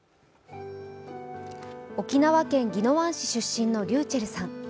沖縄県宜野湾市出身のｒｙｕｃｈｅｌｌさん。